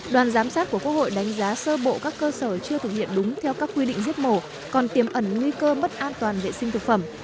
đoàn giám sát của quốc hội đánh giá sơ bộ các cơ sở chưa thực hiện đúng theo các quy định giết mổ còn tiêm ẩn nguy cơ mất an toàn vệ sinh thực phẩm